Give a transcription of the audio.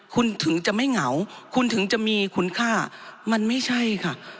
คุณถึงจะไม่เหงาคุณถึงจะมีคุณค่ามันไม่ใช่ค่ะ